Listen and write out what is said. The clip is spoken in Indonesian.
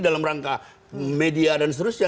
dalam rangka media dan seterusnya